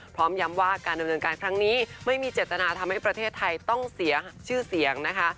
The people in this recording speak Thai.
พร้อมย้ำว่าการดำเนินการครั้งนี้ไม่มีเจตนาทำให้ประเทศไทยต้องเสียชื่อเสียงนะคะ